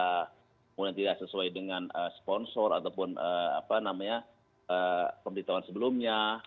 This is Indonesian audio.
kemudian tidak sesuai dengan sponsor ataupun pemberitahuan sebelumnya